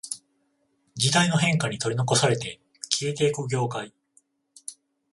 時代の変化に取り残されて消えていく業界